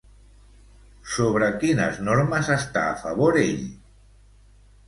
Sobre quines normes està a favor ell?